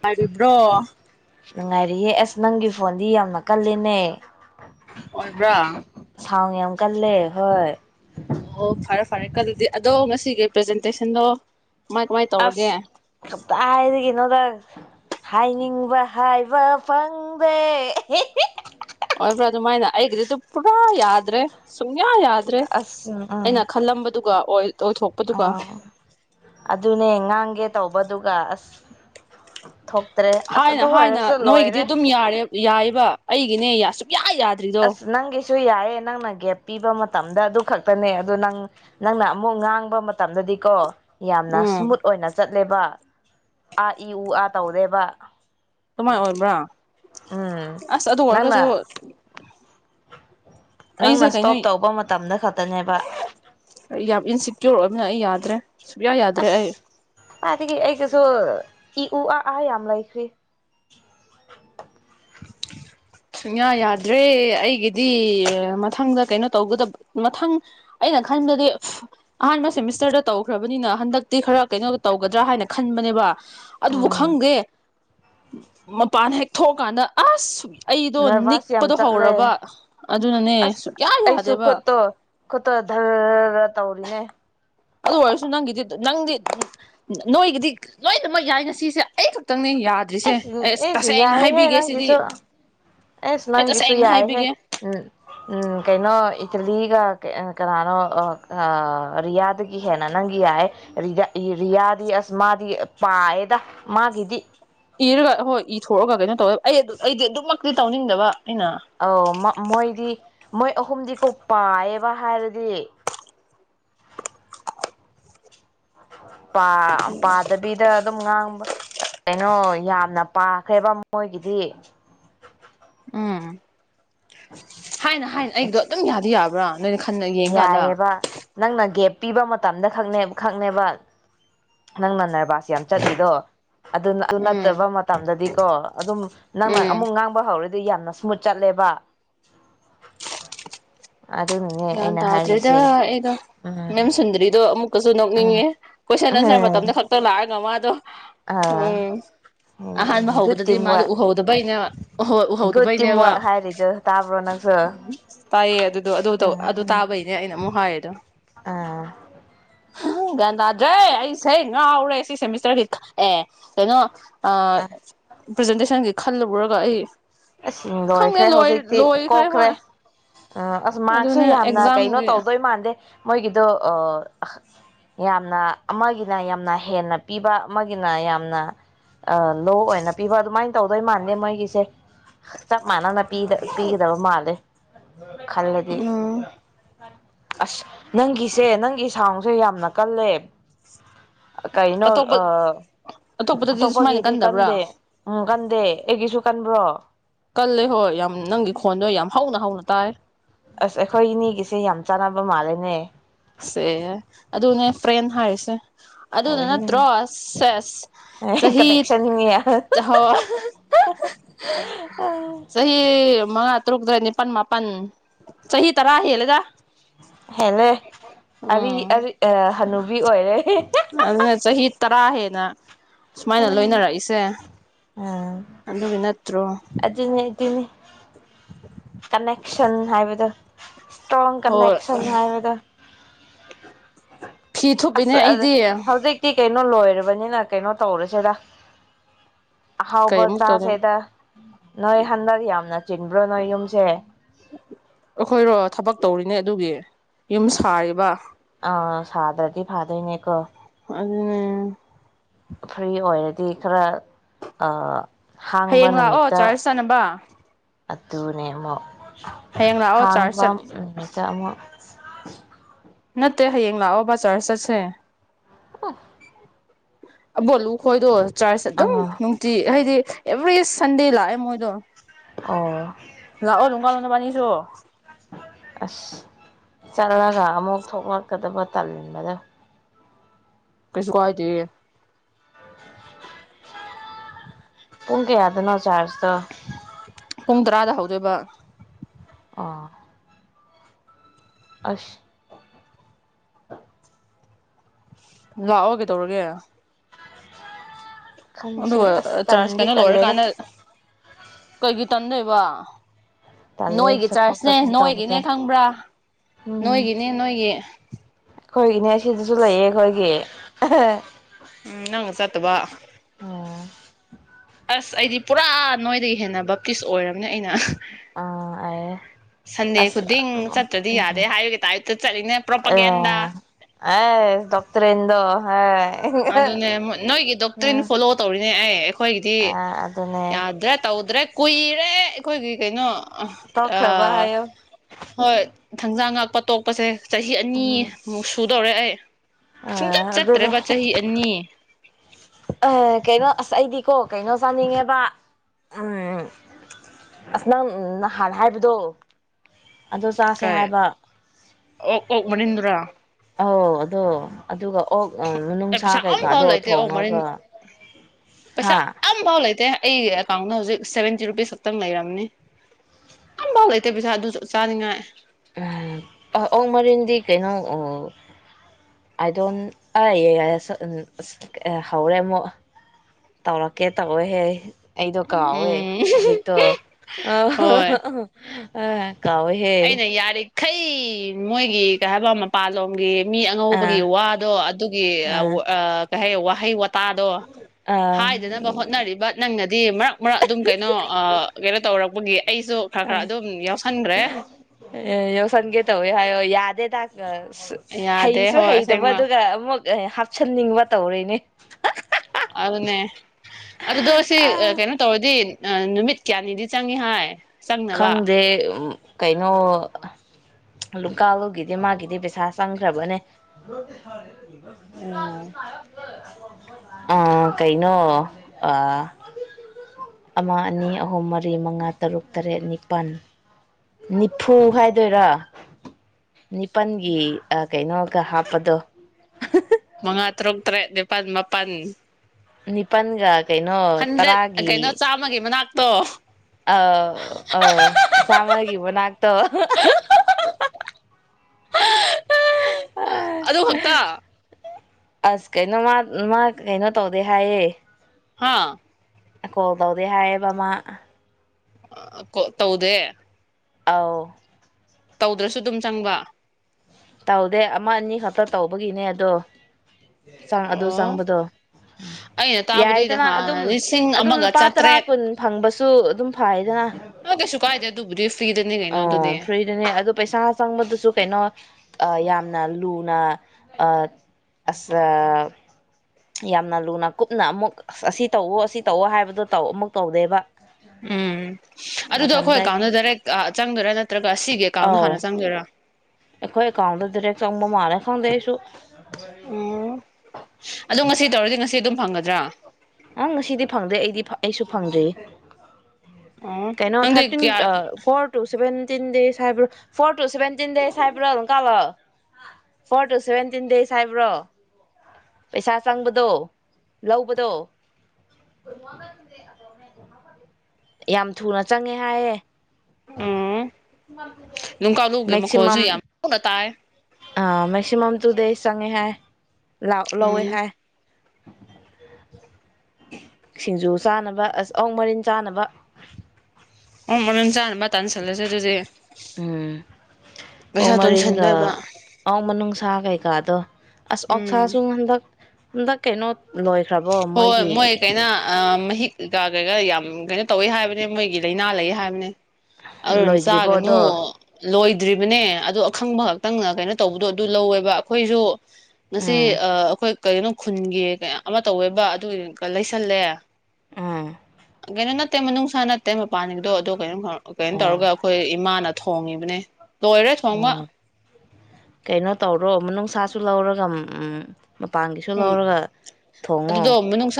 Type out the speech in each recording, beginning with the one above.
ꯇꯔꯤ ꯕꯔꯣ ꯅꯨꯡꯉꯥꯏꯔꯤꯌꯦ ꯑꯁ ꯅꯪꯒꯤ ꯐꯣꯟꯗꯤ ꯌꯥꯝꯅ ꯀꯟꯂꯦꯅꯦ ꯑꯣꯏꯕ꯭ꯔꯥ ꯊꯥꯎ ꯌꯥꯝ ꯀꯜꯂꯦ ꯍꯣꯏ ꯑꯣ ꯐꯔꯦ ꯐꯔꯦ ꯀꯟꯂꯥꯗꯤ ꯑꯗꯣ ꯉꯁꯤꯒꯤ ꯄ꯭ꯔꯖꯦꯟꯇꯦꯁꯟꯗꯣ ꯀꯃꯥꯏ ꯀꯃꯥꯏ ꯇꯧꯔꯒꯦ ꯑꯁ ꯀꯗꯥꯏꯗꯒꯤ ꯀꯩꯅꯣꯗ ꯍꯥꯏꯅꯤꯡꯕ ꯍꯥꯏꯕ ꯐꯪꯗꯦ ꯑꯗꯣ ꯑꯗꯨꯃꯥꯏꯅ ꯑꯩꯒꯤꯗꯤꯗꯨ ꯄꯨꯔꯥ ꯌꯥꯗ꯭ꯔꯦ ꯌꯥ ꯌꯥꯗ꯭ꯔꯦ ꯑꯁ ꯎꯝ ꯎꯝ ꯑꯩꯅ ꯈꯜꯂꯝꯕꯗꯨꯒ ꯍꯣꯏ ꯑꯥ ꯑꯗꯨꯅꯦ ꯉꯥꯡꯒꯦ ꯇꯧꯕꯗꯨꯒ ꯑꯁ ꯊꯣꯛ ꯍꯥꯏꯅ ꯍꯥꯏꯅ ꯅꯣꯏꯒꯤꯗꯤ ꯑꯗꯨꯝ ꯌꯥꯔꯦ ꯌꯥꯏꯕ ꯑꯩꯒꯤꯅꯦ ꯌꯥꯁꯨ ꯌꯥ ꯌꯥꯗ꯭ꯔꯤꯗꯣ ꯁꯨ ꯌꯥꯏꯌꯦ ꯅꯪꯅ ꯒꯦꯞ ꯄꯤꯕ ꯃꯇꯝꯗ ꯑꯗꯨ ꯈꯛꯇꯅꯦ ꯑꯗꯨ ꯅꯪ ꯅꯪꯅ ꯑꯃꯨꯛ ꯉꯥꯡꯕ ꯃꯇꯝꯗꯗꯤꯀꯣ ꯌꯥꯝꯅ ꯎꯝ ꯁ꯭ꯃꯨꯠ ꯑꯣꯏꯅ ꯆꯠ ꯆꯠꯂꯦꯕ ꯑꯥ ꯏ ꯎ ꯑꯥ ꯇꯧꯔꯦꯕ ꯑꯗꯨꯃꯥꯏꯅ ꯑꯣꯏꯕ꯭ꯔꯥ ꯑꯁ ꯑꯗꯨ ꯑꯣꯏꯔꯒꯁꯨ ꯅꯪꯅ [unintelligible] ꯑꯩꯁꯦ ꯅꯪꯅ ꯀꯩꯅꯣ ꯁꯇꯣꯞ ꯇꯧꯕ ꯃꯇꯝꯗ ꯈꯛꯇꯅꯦꯕ ꯌꯥꯝ ꯏꯟꯁꯤꯀ꯭ꯌꯣꯔ ꯑꯩ ꯌꯥꯗ꯭ꯔꯦ ꯁꯨꯡꯌꯥ ꯌꯥꯗ꯭ꯔꯦ ꯑꯩ ꯇꯣ ꯏ ꯎ ꯑ ꯑꯥ ꯌꯥꯝ ꯂꯩꯈꯔ꯭ꯦ ꯁꯨꯡꯌꯥ ꯌꯥꯗ꯭ꯔꯦ ꯑꯩꯒꯤꯗꯤ ꯃꯊꯪꯗ ꯀꯩꯅꯣ ꯇꯧꯒꯗꯕ ꯃꯊꯪ ꯑꯩꯅ ꯈꯟꯕꯗꯤ ꯑꯍꯥꯟꯕ ꯁꯦꯃꯤꯁꯇꯔꯗ ꯇꯧꯈ꯭ꯔꯕꯅꯤꯅ ꯍꯟꯗꯛꯇꯤ ꯈꯔ ꯀꯩꯅꯣꯗ ꯇꯧꯒꯗ꯭ꯔꯥ ꯍꯥꯏꯅ ꯈꯟꯕꯅꯦꯕ ꯑꯗꯨꯕꯨ ꯎꯝ ꯈꯪꯗꯦ ꯃꯄꯥꯟ ꯍꯦꯛ ꯊꯣꯛꯑꯀꯥꯟꯗ ꯑꯁ ꯑꯩꯗꯣ ꯅꯔꯚꯥꯁ ꯌꯥꯝ ꯅꯤꯛꯄꯗꯣ ꯆꯠꯂꯦ ꯍꯧꯔꯕ ꯑꯗꯨꯅꯅꯦ ꯑꯁ ꯁꯨꯛꯌꯥ ꯑꯩꯁꯨ ꯌꯥꯗꯦꯕ ꯈꯨꯠꯇꯣ ꯈꯣꯠꯇꯣ ꯙꯔꯔ ꯇꯧꯔꯤꯅꯦ ꯑꯗꯨ ꯑꯣꯏꯔꯁꯨ ꯅꯪꯒꯤꯗꯤ ꯅꯪꯗꯤ ꯅꯣꯏꯒꯤꯗꯤ ꯂꯣꯏꯅꯃꯛꯌꯥꯏ ꯉꯁꯤꯁꯦ ꯑꯩ ꯈꯛꯇꯪꯅꯦ ꯌ ꯌꯥꯗ꯭ꯔꯤꯁꯦ ꯑꯩꯁ ꯑꯩ ꯑꯁ ꯑꯩꯁ ꯇꯁꯦꯡꯅ ꯍꯥꯏꯕꯤꯒꯦ ꯁꯤꯗꯤ ꯑꯁ ꯑꯩ ꯅꯪꯒꯤꯁꯨ ꯇꯁꯦꯡꯅ ꯌꯥꯏ ꯍꯦ ꯍꯥꯏꯕꯤꯒꯦ ꯎꯝ ꯎꯝ ꯀꯩꯅꯣ ꯀꯩꯅꯣ ꯏꯇꯂꯤꯒ ꯀꯩ ꯑꯥ ꯀꯅꯥꯅꯣ ꯑꯣ ꯑꯥ ꯔꯤꯌꯥꯗꯒꯤ ꯍꯦꯟꯅ ꯅꯪꯒꯤ ꯌꯥꯏ ꯔꯤꯌꯥ ꯔꯤꯌꯥꯗꯤ ꯑꯁ ꯃꯥꯗꯤ ꯄꯥꯏꯌꯦꯗ ꯃꯥꯒꯤꯗꯤ ꯏꯔꯒ ꯍꯣꯏ ꯏ ꯊꯣꯛꯛꯑꯒ ꯀꯩꯅꯣ ꯇꯧꯋꯦ ꯑꯩ ꯑꯗꯨ ꯑꯩꯗꯤ ꯑꯗꯨꯛꯃꯛꯇꯤ ꯇꯧꯅꯤꯡꯗꯕ ꯑꯩꯅ ꯑꯧ ꯃ ꯃꯣꯏꯗꯤ ꯃꯣꯏ ꯑꯍꯨꯝꯗꯤꯀꯣ ꯄꯥꯏꯌꯦꯕ ꯍꯥꯏꯔꯗꯤ [inaudible] ꯄꯥ ꯄꯥꯗꯕꯤꯗ ꯑꯗꯨꯝ ꯉꯥꯡꯕ ꯀꯩꯅꯣ ꯌꯥꯝꯅ ꯄꯥꯈ꯭ꯔꯦꯕ ꯃꯣꯏꯒꯤꯗꯤ ꯎꯝ ꯍꯥꯏꯅ ꯍꯥꯏꯅ ꯑꯩꯒꯤꯗꯣ ꯑꯗꯨꯝ ꯌꯥꯗꯤ ꯌꯥꯕ꯭ꯔ ꯅꯣꯏꯅ ꯈꯟ ꯌꯦꯡꯀꯥꯟꯗ ꯌꯥꯏꯑꯕ ꯅꯪꯅ ꯒꯦꯞ ꯄꯤꯕ ꯃꯇꯝꯗ ꯈꯛꯅꯦ ꯈꯛꯅꯦꯕ ꯅꯪꯅ ꯅꯔꯚꯁ ꯌꯥꯝ ꯆꯠꯂꯤꯗꯣ ꯑꯗꯨ ꯑꯗꯨ ꯎꯝ ꯅꯠꯇꯕ ꯃꯇꯝꯗꯗꯤꯀꯣ ꯑꯗꯨꯝ ꯅꯪꯅ ꯎꯝ ꯑꯃꯨꯛ ꯉꯥꯡꯕ ꯍꯧꯔꯗꯤ ꯌꯥꯝꯅ ꯁ꯭ꯃꯨꯠ ꯆꯠꯂꯦꯕ ꯑꯗꯨ ꯒꯌ꯭ꯥꯟ ꯇꯥꯗꯔ꯭ꯦꯗꯥ ꯑꯩꯗꯣ ꯎꯝ ꯃꯦꯝ ꯁꯨꯟꯗꯔ꯭ꯤꯗꯣ ꯑꯃꯨꯛꯀꯁꯨ ꯨ ꯎꯝ ꯅꯣꯛꯅꯤꯡꯉꯦ ꯀꯣꯏꯁꯟ ꯑꯟꯁꯔ ꯃꯇꯝꯗ ꯈꯛꯇ ꯂꯥꯛꯑꯒ ꯃꯥ ꯑꯥ ꯎꯝ ꯑꯍꯥꯟꯕ ꯍꯧꯕꯗꯗꯤ ꯃꯥꯗꯣ ꯎꯍꯧꯗꯕꯩꯅ ꯒꯨꯗ ꯇꯤꯝ ꯋꯥꯔꯛ ꯍꯥꯏꯔꯤꯗꯨ ꯇꯥꯕ꯭ꯔꯣ ꯅꯪꯁꯨ ꯇꯥꯏꯌꯦ ꯑꯗꯨꯗꯣ ꯑꯗꯨ ꯇꯧ ꯎꯝ ꯑꯗꯨ ꯎꯝ ꯇꯥꯕꯩꯅꯦ ꯑꯩꯅ ꯑꯃꯨꯛ ꯍꯥꯏꯔꯤꯗꯣ ꯑꯥ ꯒ꯭ꯌꯥꯟ ꯇꯥꯗ꯭ꯔꯦ ꯑꯩꯁꯦ ꯉꯥꯎꯔꯦ ꯁꯤ ꯁꯦꯃꯤꯁꯇꯔ ꯑꯦ ꯀꯩꯅꯣ ꯑꯥ ꯄ꯭ꯔꯖꯦꯟꯇꯦꯁꯟꯒꯤ ꯈꯜꯂꯨꯔꯒ ꯑꯩ ꯑꯁ ꯈꯪꯗꯦ ꯂꯣꯏꯈ꯭ꯔꯦ ꯂꯣꯏ ꯍꯧꯖꯤꯛꯇꯤ ꯂꯣꯏꯈ꯭ꯔꯦ ꯀꯣꯛꯈ꯭ꯔꯦ ꯍꯣꯏ ꯑ ꯑꯁ ꯃꯥꯔꯛꯁꯨ ꯑꯗꯨꯅꯦ ꯌꯥꯝꯅ ꯀꯩꯅꯣ ꯑꯦꯛꯖꯥꯝꯒꯤ ꯇꯧꯗꯣꯏ ꯃꯥꯟꯗꯦ ꯃꯣꯏꯒꯤꯗꯣ ꯑꯥ ꯌꯥꯝꯅ ꯑꯃꯒꯤꯅ ꯌꯥꯝꯅ ꯍꯦꯟꯅ ꯄꯤꯕ ꯑꯃꯒꯤꯅ ꯌꯥꯝꯅ ꯑꯥ ꯂꯣ ꯑꯣꯏꯅ ꯄꯤꯕ ꯑꯗꯨꯃꯥꯏꯅ ꯇꯧꯗꯣꯏ ꯃꯥꯟꯗꯦ ꯃꯣꯏꯒꯤꯁꯦ ꯆꯞ ꯃꯥꯟꯅꯅ ꯄꯤ ꯄꯤꯒꯗꯕ ꯃꯥꯜꯂꯦ ꯈꯜꯂꯗꯤ ꯎꯝ ꯑꯁ ꯅꯪꯒꯤꯁꯦ ꯅꯪꯒꯤ ꯁꯥꯎꯟꯁꯦ ꯌꯥꯝꯅ ꯀꯜꯂꯦ ꯀꯩꯅꯣ ꯑꯇꯣꯞꯄ ꯑ ꯑꯇꯣꯞꯄꯗꯗꯤ ꯁꯨꯃꯥꯏꯅ ꯑꯇꯣꯞꯄꯒꯤꯗꯤ ꯀꯟꯗꯕ꯭ꯔꯥ ꯀꯟꯗꯦ ꯎꯝ ꯀꯟꯗꯦ ꯑꯩꯒꯤꯁꯨ ꯀꯟꯕ꯭ꯔꯣ ꯀꯜꯂꯦ ꯍꯣꯏ ꯌꯥꯝ ꯅꯪꯒꯤ ꯈꯣꯟꯗꯣ ꯌꯥꯝ ꯍꯧꯅ ꯍꯧꯅ ꯇꯥꯏ ꯑꯁ ꯑꯩꯈꯣꯏ ꯏꯅꯤꯒꯤꯁꯦ ꯌꯥꯝ ꯆꯥꯟꯅꯕ ꯃꯥꯜꯂꯦꯅꯦ ꯁꯦ ꯑꯗꯨꯅꯦ ꯐ꯭ꯔꯦꯟ ꯍꯥꯏꯔꯤꯁꯦ ꯑꯗꯨꯅ ꯅꯠꯇ꯭ꯔꯣ ꯁꯦꯁ ꯑꯩ ꯆꯍꯤ ꯀꯅꯦꯛꯁꯟ [inaudible] ꯆꯍꯤ ꯃꯉꯥ ꯇꯔꯨꯛ ꯇꯔꯦꯠ ꯅꯤꯄꯥꯟ ꯃꯥꯄꯟ ꯆꯍꯤ ꯇꯔꯥ ꯍꯦꯜꯂꯦꯗ ꯍꯦꯜꯂꯦ ꯑꯔꯤ ꯎꯝ ꯑꯔꯤ ꯑ ꯍꯅꯨ ꯕꯤ ꯑꯣꯏꯔꯦ ꯑꯗꯨꯅ ꯆꯍꯤ ꯇꯔꯥ ꯍꯦꯟꯅ ꯁꯨꯃꯥꯏꯅ ꯂꯣꯏꯅꯔꯛꯏꯁꯦ ꯑꯥ ꯑꯗꯨꯒꯤ ꯅꯠꯇ꯭ꯔꯣ ꯇꯤꯅꯤ ꯀꯅꯦꯛꯁꯟ ꯍꯥꯏꯕꯗꯨ ꯁꯇ꯭ꯔꯣꯡ ꯍꯣꯏ ꯀꯅꯦꯛꯁꯟ ꯍꯥꯏꯕꯗꯣ ꯐꯤ ꯊꯨꯞꯄꯤꯅꯦ ꯑꯩꯗꯤ ꯅꯪ ꯂꯣꯏꯔꯕꯅꯤꯅ ꯀꯩꯅꯣ ꯇꯧꯔꯁꯤꯔ ꯀꯩ ꯑꯍꯥꯎꯕ ꯑꯃꯨꯛ ꯇꯧꯗꯣꯏꯅꯣ ꯆꯥꯁꯦꯗ ꯅꯣꯏ ꯍꯟꯗꯛ ꯌꯥꯝꯅ ꯆꯤꯟꯕ꯭ꯔꯣ ꯅꯣꯏ ꯌꯨꯝꯁꯦ ꯑꯩꯈꯣꯏꯔꯣ ꯊꯕꯛ ꯇꯧꯔꯤꯅꯦ ꯑꯗꯨꯒꯤ ꯌꯨꯝ ꯑꯁ ꯁꯥꯔꯤꯕ ꯑꯥ ꯁꯥꯗ꯭ꯔꯗꯤ ꯐꯥꯗꯧꯅꯦꯀꯣ [unintelligible] ꯐ꯭ꯔꯤ ꯑꯣꯏꯔꯗꯤ ꯈꯔ ꯑ ꯍꯌꯦꯡ ꯂꯥꯛꯑꯣ ꯆꯥꯔꯖ ꯆꯥꯠꯅꯕ ꯑꯗꯨꯅꯦ ꯑꯃ ꯂꯥꯛꯑꯣ ꯆꯥꯔꯖ ꯆꯠ ꯍꯥꯡꯕꯝ ꯂꯩꯇ ꯑꯃꯨꯛ [inaudible] ꯅꯠꯇꯦ ꯍꯌꯦꯡ ꯂꯥꯛꯑꯣ ꯕ ꯖꯔꯁ ꯆꯠꯁꯦ ꯍ ꯑꯕꯣꯂꯨ ꯈꯣꯢꯗꯣ ꯆꯥꯔꯁ ꯑꯗꯨꯝ ꯑꯃ ꯅꯨꯡꯇꯤ ꯍꯥꯏꯗꯤ ꯑꯦꯕꯔꯤ ꯁꯟꯗꯦ ꯂꯥꯛꯑꯦ ꯃꯣꯏꯗꯣ ꯑꯣ ꯂꯥꯛꯑꯣ ꯅꯨꯡꯗꯥꯡ ꯅꯕꯥꯟꯅꯤꯁꯨ ꯑꯁ ꯆꯠꯂꯒ ꯑꯃꯨꯛ ꯊꯣꯛꯂꯛꯀꯗꯕ ꯇꯟꯕꯗꯣ ꯀꯩꯁꯨꯁ ꯀꯥꯏꯗꯦ [inaudible] ꯄꯨꯡ ꯀꯌꯥꯗꯅꯣ ꯆꯥꯔꯁ ꯄꯨꯡ ꯇꯔꯥꯗ ꯍꯧꯗꯣꯏꯕ ꯑꯥ ꯑꯁ ꯂꯥꯛꯑꯣ ꯀꯩꯗꯧꯔꯒꯦ ꯈꯟꯁꯦ ꯑꯗꯨꯒ ꯑꯁ ꯆꯥꯔꯖ ꯇꯟꯗꯤ ꯀꯩꯅꯣ ꯇꯜꯂꯦꯗ ꯂꯣꯏꯔꯀꯥꯟꯗ ꯀꯩꯒꯤ ꯇꯟꯗꯣꯏꯕ ꯇꯜꯂꯦ ꯅꯣꯏꯒꯤ ꯆꯠꯊꯣꯛ ꯆꯥꯔꯖꯅꯦ ꯆꯠꯁꯤꯟ ꯇꯧꯕꯗ ꯅꯣꯏꯒꯤꯅꯦ ꯈꯪꯕ꯭ꯔꯥ ꯎꯝ ꯅꯣꯏꯒꯤꯅꯦ ꯅꯣꯏꯒꯤ ꯑꯩꯈꯣꯏꯒꯤꯅꯦ ꯁꯤꯗꯁꯨ ꯂꯩꯌꯦ ꯑꯩꯈꯣꯏꯒꯤ [inaudible] ꯎꯝ ꯅꯪꯅ ꯆꯥꯠꯇꯕ ꯎꯝ ꯑꯁ ꯑꯩꯗꯤ ꯄꯨꯔꯥ ꯅꯣꯏꯗꯒꯤ ꯍꯦꯟꯅ ꯕꯞꯇꯤꯁ ꯑꯣꯏꯔꯕꯅꯤ ꯑꯩꯅ ꯑꯥ ꯑꯩ ꯁꯟꯗꯦ ꯑꯁ ꯈꯨꯗꯤꯡ ꯎꯝ ꯆꯠꯇ꯭ꯔꯗꯤ ꯎꯝ ꯌꯥꯗꯦ ꯍꯥꯏꯕꯒꯤ ꯇꯥꯏꯞꯇ ꯆꯠꯂꯤꯅꯦ ꯑꯥ ꯑꯦ ꯄ꯭ꯔꯣꯄꯒꯦꯟꯗ ꯑꯦ ꯗꯣꯛꯇ꯭ꯔꯦꯟꯗꯣ ꯍꯥ ꯑꯗꯨꯅꯦ ꯅꯣꯏꯒꯤ ꯗꯣꯛꯇ꯭ꯔꯤꯟ ꯐꯣꯂꯣ ꯇꯧꯔꯤꯅꯦ ꯑꯩ ꯑꯩꯈꯣꯏꯒꯤꯗꯤ ꯑꯥ ꯑꯗꯨꯅꯦ ꯌꯥꯗ꯭ꯔꯦ ꯇꯧꯗ꯭ꯔꯦ ꯀꯨꯏꯔ ꯑꯦꯔꯦ ꯑꯩꯈꯣꯏꯒꯤ ꯀꯩꯅꯣ ꯇꯣꯛꯈ꯭ꯔꯕ ꯍꯥꯏꯌꯣ [unintelligible] ꯄꯣꯇꯣꯛꯄꯁꯦ ꯆꯍꯤ ꯎꯝ ꯑꯅꯤꯃꯨꯛ ꯁꯨ ꯗꯧꯔꯦ ꯑꯩ ꯑ ꯁꯨꯡꯆꯠ ꯑꯗꯨꯗꯣ ꯆꯠꯇ꯭ꯔꯦꯕ ꯆꯍꯤ ꯑꯅꯤ ꯑꯦ ꯀꯩꯅꯣ ꯑꯁ ꯑꯩꯗꯤꯀꯣ ꯀꯩꯅꯣ ꯆꯥꯅꯤꯡꯉꯦꯕ ꯎꯝ ꯑꯁ ꯅꯪ ꯅꯍꯥꯟ ꯍꯥꯏꯕꯗꯣ ꯑꯗꯣ ꯆꯥꯁꯦ ꯀꯩ ꯍꯥꯏꯕ ꯑꯣꯛ ꯑꯣꯛ ꯃꯔꯤꯟꯗꯨꯔꯥ ꯑꯧ ꯑꯗꯣ ꯑꯗꯨꯒ ꯑꯣꯛ ꯑꯣꯛ ꯑ ꯑꯦ ꯃꯅꯨꯡꯁꯥ ꯄꯩꯁꯥ ꯑꯝꯐꯥꯎ ꯀꯩꯀꯥꯗꯣ ꯊꯣꯡꯉꯛ [inaudible] ꯄꯩꯁꯥ ꯑꯝꯐꯥꯎ ꯂꯩꯇꯦ ꯑꯩꯒꯤ ꯑꯦꯀꯥꯎꯟꯗ ꯍꯧꯖꯤꯛ ꯁꯚꯦꯟꯇꯤ ꯔꯨꯄꯤꯁ ꯈꯛꯇꯪ ꯂꯩꯔꯝꯅꯤ ꯑꯝꯐꯥꯎ ꯂꯩꯇꯦ ꯄꯩꯁꯥ ꯑꯗꯨꯁꯨ ꯆꯥꯅꯤꯡꯉꯥꯏ ꯑꯥ ꯑꯣꯛ ꯃꯔꯤꯟꯗꯤ ꯀꯩꯅꯣ ꯑꯣ ꯑꯥꯏꯗꯣꯟ ꯑꯩ ꯍꯦꯁꯥ ꯑꯁ ꯍꯧꯔꯦ ꯑꯃꯨꯛ ꯇꯧꯔꯛꯀꯦ ꯇꯧꯋꯦꯍꯦ ꯑꯩꯗꯣ ꯀꯥꯎꯋꯦ ꯎꯝ ꯍꯧꯖꯤꯛꯇꯣ ꯑꯍꯥ ꯍꯣꯏ ꯍꯥ ꯍꯥ ꯑꯥ ꯀꯥꯎꯋꯦꯍꯦ ꯈꯩ ꯃꯣꯏꯒꯤ ꯀꯩ ꯍꯥꯏꯕ ꯃꯄꯥꯟꯂꯣꯝꯒꯤ ꯃꯤ ꯑꯥ ꯑꯉꯧꯕꯒꯤ ꯋꯥꯗꯣ ꯑꯗꯨꯒꯤ ꯑꯥ ꯀꯩꯍꯩ ꯋꯥꯍꯩ ꯋꯥꯠ ꯄꯗꯣ ꯑꯥ ꯍꯥꯏꯗꯅꯕ ꯍꯣꯠꯅꯔꯤꯕ ꯅꯪꯅꯗꯤ ꯃꯔꯛ ꯃꯔꯛ ꯑꯗꯨꯝ ꯀꯩꯅꯣ ꯑꯥ ꯀꯩꯅꯣ ꯇꯧꯔꯛꯄꯒꯤ ꯑꯩꯁꯨ ꯈꯔ ꯈꯔ ꯑꯗꯨꯝ ꯌꯥꯎꯁꯟꯈ꯭ꯔꯦ ꯑꯦ ꯌꯥꯎꯁꯟꯒꯦ ꯇꯧꯋꯦ ꯌꯥꯢꯌꯣ ꯌꯥꯗꯦꯗꯀꯥ ꯌꯥꯗꯦ ꯍꯩꯁꯨ ꯍꯣꯏ ꯍꯩꯇꯕ ꯑꯁꯦꯡꯕ ꯑꯗꯨꯒ ꯑꯃꯨꯛ ꯑꯦ ꯍꯥꯞꯆꯟꯅꯤꯡꯕ ꯇꯧꯔꯤꯅꯤ ꯑꯗꯨꯅꯦ ꯑꯗꯨꯗꯣ ꯁꯤ ꯑꯥ ꯀꯩꯅꯣ ꯇꯧꯔꯗꯤ ꯑꯥ ꯅꯨꯃꯤꯠ ꯀꯌꯥꯅꯤꯗꯤ ꯆꯪꯉꯤ ꯍꯥꯏ ꯆꯪꯅꯕ ꯈꯪꯗꯦ ꯎꯝ ꯀꯩꯅꯣ ꯂꯨꯀꯥꯡꯂꯨꯒꯤꯗꯤ ꯃꯒꯤꯗꯤ ꯄꯩꯁꯥ ꯆꯪꯈ꯭ꯔꯕꯅꯦ ꯎꯝ ꯑꯥ ꯀꯩꯅꯣ ꯑꯥ ꯑꯃ ꯑꯅꯤ ꯑꯍꯨꯝ ꯃꯔꯤ ꯃꯉꯥ ꯇꯔꯨꯛ ꯇꯔꯦꯠ ꯅꯤꯄꯥꯜ ꯅꯤꯐꯨ ꯍꯥꯏꯗꯣꯏꯔꯥ ꯅꯤꯄꯜꯒꯤ ꯀꯩꯅꯣꯒ ꯍꯥꯞꯄꯗꯣ ꯍꯥ ꯃꯉꯥ ꯇꯔꯨꯛ ꯇꯔꯦꯠ ꯅꯤꯄꯥꯟ ꯃꯥꯄꯟ ꯅꯤꯄꯟꯒ ꯀꯩꯅꯣ ꯇꯔꯥꯒꯤ ꯇꯣ ꯑꯧ ꯑꯧ ꯆꯥꯝꯃꯒꯤ ꯃꯟꯥꯛꯇꯣ ꯑꯍꯥ ꯍꯥꯍꯥꯍꯥꯍꯥ [unintelligible] ꯑꯗꯨ ꯈꯛꯇ ꯑꯁ ꯀꯩꯅꯣ ꯃꯥ ꯃꯥ ꯀꯩꯅꯣ ꯇꯧꯗꯦ ꯍꯥꯏꯌꯦ ꯍꯥꯥ ꯀꯣꯜ ꯇꯧꯗꯦ ꯍꯥꯏꯌꯦꯕ ꯃꯥ ꯑ ꯀꯣꯜ ꯇꯧꯗꯦ ꯑꯧ ꯇꯧꯗ꯭ꯔꯁꯨ ꯑꯗꯨꯝ ꯆꯪꯕ ꯇꯧꯗꯦ ꯑꯃ ꯑꯅꯤ ꯈꯛꯇ ꯇꯧꯕꯒꯤꯅꯦ ꯑꯗꯣ ꯆꯥ ꯑꯗꯨ ꯑꯣ ꯆꯪꯕꯗꯣ ꯑꯩꯅ ꯇꯥꯕꯗꯤ ꯌꯥꯏꯗꯅ ꯑꯗꯨꯝ ꯅꯍꯥꯟ ꯂꯤꯁꯤꯡ ꯑꯗꯨꯝ ꯑꯃꯒ ꯂꯨꯄꯥ ꯇꯔꯥ ꯆꯥꯇ꯭ꯔꯦꯠ ꯀꯨꯟ ꯐꯪꯕꯁꯨ ꯑꯗꯨꯝ ꯐꯥꯏꯅ ꯑ ꯀꯩꯁꯨ ꯀꯥꯏꯗꯦ ꯑꯗꯨꯕꯨꯗꯤ ꯐ꯭ꯔꯤꯗꯅꯤ ꯀꯩꯅꯣ ꯑꯗꯨꯗꯤ ꯑꯣ ꯐ꯭ꯔꯤꯗꯅꯦ ꯑꯗꯨ ꯄꯩꯁꯥ ꯆꯪꯕꯗꯨꯁꯨ ꯀꯩꯅꯣ ꯑꯥ ꯌꯥꯝꯅ ꯂꯨꯅ ꯑꯥ ꯑꯁꯁ ꯌꯥꯝꯅ ꯂꯨꯅ ꯀꯨꯞꯅ ꯑꯃꯨꯛ ꯑꯁꯤ ꯇꯧꯋꯣ ꯑꯁꯤ ꯇꯧꯋꯣ ꯍꯥꯏꯕꯗꯣ ꯇꯧ ꯑꯃꯨꯛ ꯇꯧꯗꯦꯕ ꯎꯝ ꯑꯗꯨꯗꯣ ꯃꯊꯟꯇ ꯑꯩꯈꯣꯏ ꯀꯥꯎꯟꯗ ꯗꯥꯏꯔꯦꯛ ꯆꯪꯗꯣꯏꯔ ꯅꯠꯇ꯭ꯔꯒ ꯑꯁꯤꯒꯤ ꯑꯦꯀꯥꯎꯟꯗ ꯑꯧ ꯍꯥꯟꯅ ꯆꯪꯗꯣꯏꯔꯥ ꯑꯩꯈꯣꯏ ꯑꯦꯀꯥꯎꯟꯗ ꯗꯤꯔꯦꯛ ꯆꯪꯕ ꯃꯥꯜꯂꯦ ꯈꯪꯗꯦ ꯑꯩꯁꯨ ꯎꯝ ꯑꯗꯨ ꯉꯁꯤ ꯇꯧꯔꯗꯤ ꯉꯁꯤ ꯑꯗꯨꯝ ꯐꯪꯒ ꯗ꯭ꯔꯥ ꯑꯪ ꯉꯁꯤꯗꯤ ꯐꯪꯗꯦ ꯑꯩꯗꯤ ꯑꯩꯁꯨ ꯐꯪꯗꯦ ꯑꯣ ꯀꯩꯅꯣ ꯅꯪꯗꯤ ꯊꯔꯇꯤꯟ ꯀꯌꯥ ꯑꯥ four to seventeen days ꯍꯥꯏꯕ꯭ꯔꯣ ꯐꯣꯔ ꯇꯨ ꯁꯚꯦꯟꯇꯤꯟ ꯗꯦꯖ ꯍꯥꯏꯕ꯭ꯔꯣ [unintelligible] ꯐꯣꯔ ꯇꯨ ꯁꯚꯦꯟꯇꯤꯟ ꯗꯦꯖ ꯍꯥꯏꯕ꯭ꯔꯣ ꯄꯩꯁꯥ ꯆꯪꯕꯗꯣ ꯂꯧꯕꯗꯣ [inaudible] ꯌꯥꯝ ꯊꯨꯅ ꯆꯪꯉꯦ ꯍꯥꯏꯌꯦ ꯎꯝ [inaudible] ꯅꯨꯡꯀꯥꯂꯨꯒꯤ ꯃꯈꯣꯜꯁꯨ ꯃꯦꯛꯁꯤꯃꯝ ꯌꯥꯝ ꯍꯧꯅ ꯇꯥꯏ ꯑ ꯃꯦꯛꯁꯤꯃꯝ ꯇꯨ ꯗꯦꯁ ꯆꯪꯉꯦ ꯍꯥꯏ ꯂꯥꯛ ꯂꯧꯋꯦ ꯎꯝ ꯍꯥꯏ [inaudible] ꯁꯤꯡꯖꯨ ꯆꯥꯅꯕ ꯑꯁ ꯑꯣꯛ ꯃꯔꯤꯟ ꯆꯥꯅꯕ ꯑꯣꯛ ꯃꯔꯤꯟ ꯆꯥꯅꯕ ꯇꯥꯟꯁꯜꯂꯁꯦ ꯑꯗꯨꯗꯤ ꯎꯝ ꯑꯣꯛ ꯄꯩꯁꯥ ꯃꯔꯤꯟꯒ ꯇꯣꯟꯁꯟꯗꯣꯏꯕ ꯑꯧ ꯃꯅꯨꯡꯁꯥ ꯀꯩꯀꯥꯗꯣ ꯑꯁ ꯎꯝ ꯑꯣꯛꯁꯥꯁꯨ ꯍꯟꯗꯛ ꯍꯟꯗꯛ ꯀꯩꯅꯣ ꯂꯣꯏꯈ꯭ꯔꯕꯣ ꯍꯣꯏ ꯃꯣꯏꯒꯤ ꯃꯣꯏ ꯀꯩꯅꯣ ꯑꯥ ꯃꯍꯤꯛ ꯀꯩꯀꯥ ꯌꯥꯝ ꯀꯩꯅꯣ ꯇꯧꯋꯤ ꯍꯥꯏꯕꯅꯦ ꯃꯣꯏꯒꯤ ꯂꯩꯏꯅ ꯂꯩ ꯍꯥꯏꯕꯅꯦ ꯑꯗꯨꯅ ꯂꯣꯏꯗ꯭ꯔꯤꯕꯣ ꯆꯥꯒꯅꯨ ꯑꯗꯣ ꯂꯣꯏꯗ꯭ꯔꯤꯕꯅꯦ ꯑꯗꯨ ꯑꯈꯪꯕ ꯈꯛꯇꯪ ꯀꯩꯅꯣ ꯇꯧꯕꯗꯣ ꯑꯗꯨ ꯂꯧꯋꯦꯕ ꯑꯩꯈꯣꯏꯁꯨ ꯉꯁꯤ ꯎꯝ ꯑꯥ ꯑꯩꯈꯣꯏ ꯀꯩꯅꯣ ꯈꯨꯟꯒꯤ ꯀꯌꯥ ꯑꯃ ꯇꯧꯋꯦꯕ ꯑꯗꯨꯒꯤ ꯂꯩꯁꯜꯂꯦ ꯎꯝ ꯀꯩꯅꯣ ꯅꯠꯇꯦ ꯃꯅꯨꯡꯁꯥ ꯅꯠꯇꯦ ꯃꯄꯥꯟꯒꯤꯗꯣ ꯑꯗꯣ ꯀꯩꯅꯣꯝ ꯈ ꯀꯩꯅꯣ ꯇꯧꯔꯒ ꯑꯣ ꯑꯩꯈꯣꯏ ꯏꯃꯥꯅ ꯊꯣꯡꯉꯤꯕꯅꯦ ꯂꯣꯏꯔꯦ ꯊꯣꯡꯕ ꯑꯣ ꯀꯩꯅꯣ ꯇꯧꯔꯣ ꯃꯅꯨꯡꯁꯥꯁꯨ ꯁꯨ ꯂꯧꯔꯒ ꯎꯝ ꯃꯄꯥꯟꯒꯤꯁꯨ ꯎꯝ ꯂꯧꯔꯒ ꯊꯣꯡꯉꯣ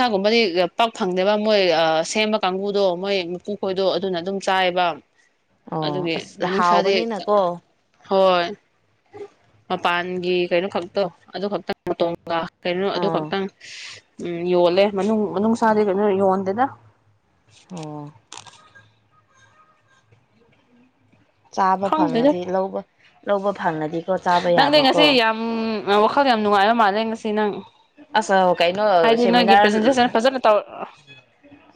ꯑꯗꯨꯒꯨꯝꯕꯗꯤ ꯄꯥꯛ ꯐꯪꯗꯦꯕ ꯃꯣꯏ ꯑ ꯁꯦꯝꯕ ꯀꯥꯡꯕꯨꯗꯣ ꯃꯣꯏ ꯃꯀꯨ ꯈꯣꯏꯗꯣ ꯑꯗꯨꯅ ꯑꯗꯨꯝ ꯆꯥꯏꯕ ꯑꯣ ꯑꯗꯨꯒꯤ ꯑꯁ ꯃꯅꯨꯡꯁꯥꯗꯤ ꯍꯥꯎꯕꯅꯤꯅꯀꯣ ꯍꯣꯏ ꯃꯄꯥꯟꯒꯤ ꯀꯩꯅꯣ ꯈꯛꯇꯣ ꯑꯗꯨ ꯈꯛꯇꯪ ꯃꯇꯣꯡ ꯒ ꯀꯩꯅꯣ ꯑꯗꯨ ꯑꯥ ꯈꯛꯇꯪ ꯁ ꯎꯝ ꯌꯣꯜꯂꯦ ꯃꯅꯨꯡ ꯃꯅꯨꯡꯁꯥꯗꯤ ꯀꯩꯅꯣ ꯌꯣꯟꯗꯦꯗ ꯑꯣ [inaudible] ꯆꯥꯕ ꯈꯪꯗꯦꯗ ꯐꯪꯉꯗꯤ ꯂꯧꯕ ꯂꯧꯕ ꯐꯪꯉꯗꯤꯀꯣ ꯆꯥꯕ ꯅꯪꯗꯤ ꯌꯥꯕꯀꯣ ꯉꯁꯤ ꯌꯥꯝ ꯋꯥꯈꯜ ꯌꯥꯝ ꯅꯨꯡꯉꯥꯏꯕ ꯃꯥꯜꯂꯦ ꯉꯁꯤ ꯅꯪ ꯑꯁ ꯀꯩꯅꯣ ꯍꯥꯏꯗꯤ ꯅꯪꯒꯤ ꯁꯦꯃꯤꯅꯥꯔ ꯄ꯭ꯔꯖꯦꯟꯇꯦꯁꯟ ꯐꯖꯅ ꯇꯧ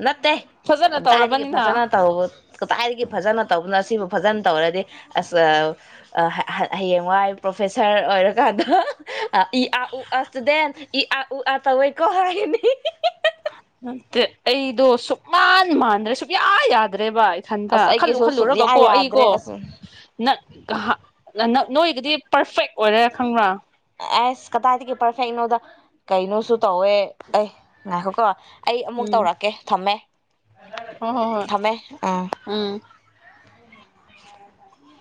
ꯅꯠꯇꯦ ꯐꯖꯅ ꯀꯗꯥꯏꯗꯒꯤ ꯇꯧꯔꯕꯅꯤꯅ ꯐꯖꯅ ꯇꯧꯕ ꯀꯗꯥꯏꯗꯒꯤ ꯐꯖꯅ ꯇꯧꯕꯅꯣ ꯁꯤꯕꯨ ꯐꯖꯅ ꯇꯧꯔꯗꯤ ꯑꯁ ꯑ ꯑ ꯍ- ꯍ- ꯍꯌꯦꯡꯋꯥꯏ ꯄ꯭ꯔꯣꯐꯦꯁꯔ ꯑꯣꯏꯔꯀꯥꯟꯗ ꯑ ꯏ ꯑꯥ ꯎ ꯑꯥ ꯁ꯭ꯇꯨꯗꯦꯟꯠ ꯏ ꯑ ꯎ ꯑ ꯇꯧꯋꯦꯀꯣ ꯍꯥꯏꯅꯤ ꯅꯠꯇꯦ ꯑꯩꯗꯣ ꯁꯨꯛꯃꯥꯟ ꯃꯥꯟꯗ꯭ꯔꯦ ꯁꯨꯛꯌꯥ ꯌꯥꯗ꯭ꯔꯦ ꯕ ꯏꯊꯟꯇ ꯑꯁ ꯈꯜꯂꯨ ꯑꯩꯒꯤꯁꯨ ꯁꯨꯛꯌꯥ ꯈꯜꯂꯨꯔꯒꯀꯣ ꯌꯥꯗ꯭ꯔꯦ ꯑꯩꯀꯣ ꯑꯁ ꯅꯪ ꯅꯪ ꯅꯣꯏꯒꯤꯗꯤ ꯄ꯭ꯔꯐꯦꯛ ꯑꯣꯏꯔꯦ ꯈꯪꯕ꯭ꯔꯥ ꯑꯁ ꯀꯗꯥꯏꯗꯒꯤ ꯄꯔꯐꯦꯛꯅꯣꯗ ꯀꯩꯅꯣꯁꯨ ꯇꯧꯋꯦ ꯑꯩ ꯉꯥꯏꯈꯣꯀꯣ ꯑꯩ ꯑꯃꯨꯛ ꯇꯧꯔꯛꯀꯦ ꯊꯝꯃꯦ ꯍꯣ ꯍꯣ ꯍꯣꯏ ꯊꯝꯃꯦ ꯑꯥ ꯎꯝ [unintelligible]